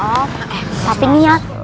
eh tapi niat